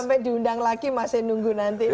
sampai diundang lagi masih nunggu nanti